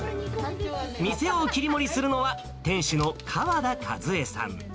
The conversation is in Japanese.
店を切り盛りするのは、店主の川田和枝さん。